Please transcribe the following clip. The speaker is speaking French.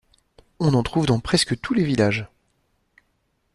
On en trouve dans presque tous les villages.